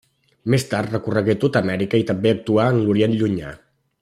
Més tard recorregué tota Amèrica i també actuà en l'Orient Llunyà.